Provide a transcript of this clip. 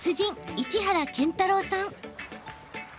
市原健太郎さん。